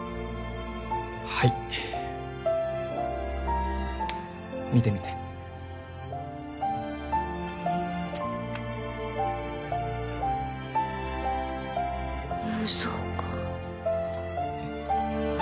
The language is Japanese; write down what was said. はい見てみてむぞかえっ！？